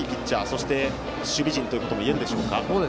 そして、守備陣ということもいえるでしょうか？